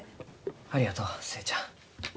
ありがとう寿恵ちゃん。